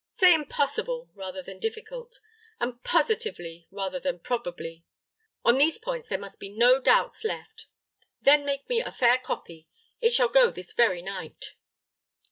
Say impossible, rather than difficult; and positively, rather than probably. On these points there must be no doubts left. Then make me a fair copy. It shall go this very night."